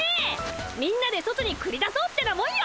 みんなで外にくり出そうってなもんよ。